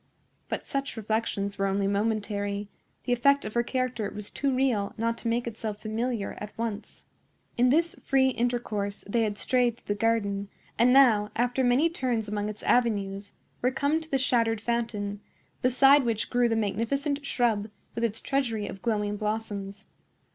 But such reflections were only momentary; the effect of her character was too real not to make itself familiar at once. In this free intercourse they had strayed through the garden, and now, after many turns among its avenues, were come to the shattered fountain, beside which grew the magnificent shrub, with its treasury of glowing blossoms.